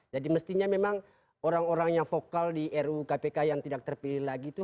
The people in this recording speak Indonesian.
jadi mestinya memang orang orang yang vokal di ru kpk yang tidak terpilih lagi itu